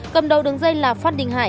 cầm đầu đường dây là phát đình hà